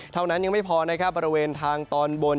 เท่านั้นยังไม่พอนะครับประเวนทางตอนบน